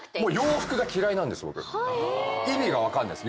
意味が分かんないです。